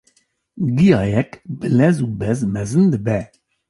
giyayek bi lez û bez mezin dibe.